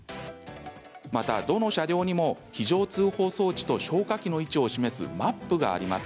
また、どの車両にも非常通報装置と消火器の位置を示すマップがあります。